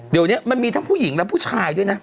เดี๋ยวนี้มันมีทั้งผู้หญิงและผู้ชายด้วยนะ